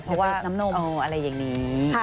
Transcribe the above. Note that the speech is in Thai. เพราะว่าน้ำนมอะไรอย่างนี้